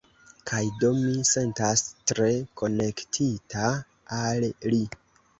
Kaj do mi sentas tre konektita al li.